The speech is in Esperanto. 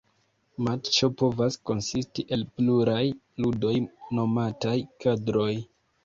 Matĉo povas konsisti el pluraj ludoj nomataj "kadroj".